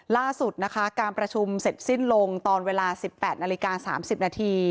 ล่าสุดการประชุมเสร็จสิ้นลงตอนเวลา๑๘น๓๐น